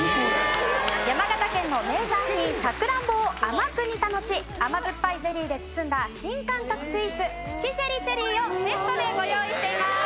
山形県の名産品サクランボを甘く煮たのち甘酸っぱいゼリーで包んだ新感覚スイーツプチジェリチェリーをセットでご用意しています。